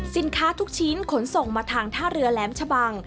ทุกชิ้นขนส่งมาทางท่าเรือแหลมชะบัง